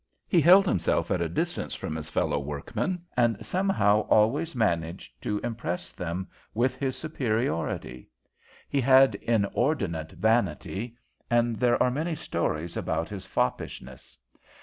He held himself at a distance from his fellow workmen and somehow always managed to impress them with his superiority. He had inordinate vanity, and there are many stories about his foppishness.